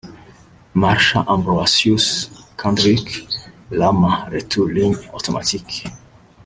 Marsha Ambrosius & Kendrick Lamar)Retour ligne automatique